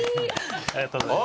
ありがとうございます。